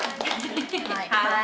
はい。